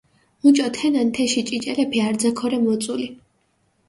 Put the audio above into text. მუჭო თენან თეში ჭიჭელეფი არძა ქორე მოწული.